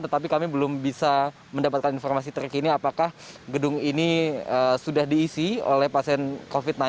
tetapi kami belum bisa mendapatkan informasi terkini apakah gedung ini sudah diisi oleh pasien covid sembilan belas